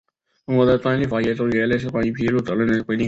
中国的专利法中也有类似的关于披露责任的规定。